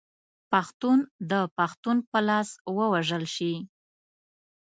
پښتون د پښتون په لاس ووژل شي.